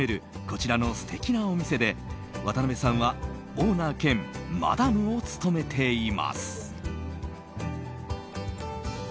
こちらの素敵なお店で渡辺さんはオーナー兼マダムを務めています。